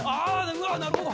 うわっなるほど。